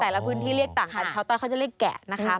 แต่ล่ะพื้นที่เรียกต่างจากชาวต้อนเขาจะเรียกแกะนะครับ